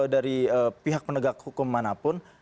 dari pihak penegak hukum manapun